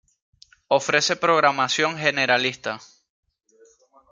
Ofrece programación generalista.